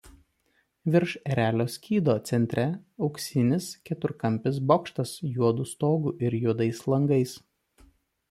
Virš erelio skydo centre auksinis keturkampis bokštas juodu stogu ir juodais langais.